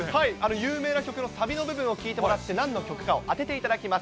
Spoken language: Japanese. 有名な曲のサビの部分を聴いてもらって、なんの曲かを当てていただきます。